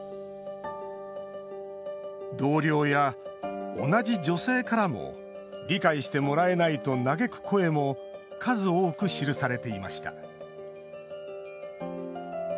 同僚や同じ女性からも理解してもらえないと嘆く声も数多く記されていました。